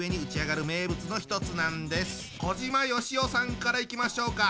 小島よしおさんからいきましょうか。